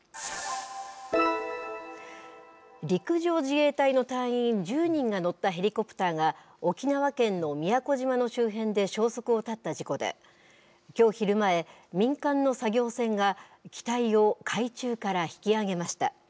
陸上自衛隊の隊員１０人が乗ったヘリコプターが、沖縄県の宮古島の周辺で消息を絶った事故で、きょう昼前、民間の作業船が、機体を海中から引き揚げました。